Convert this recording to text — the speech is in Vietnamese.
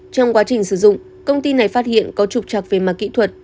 trong quá trình sử dụng công ty này phát hiện có trục trặc về mặt kỹ thuật